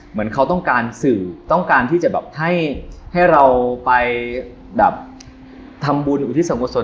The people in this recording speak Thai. เหมือนเขาต้องการศึกต้องการที่จะแบบให้เราไปเหุลักษณะทำบุญอุทิศัลโกย์สน